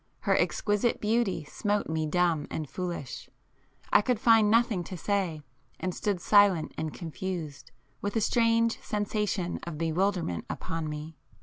Her exquisite beauty smote me dumb and foolish,—I could find nothing to say, and stood silent and confused, with a strange sensation of bewilderment upon me.